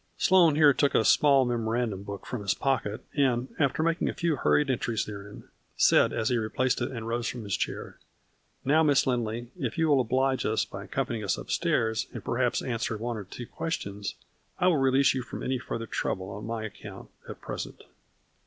Sloane here took a small memorandum book A FLURRY IN DIAMONDS. 4 ' from his pocket, and, after making a few hurried entries therein, said, as he replaced it and rose from his chair. " Now, Miss Lindley, if you will oblige us by accompanying us up stairs, and perhaps answer one or two questions, I will release you from any further trouble on my account at present."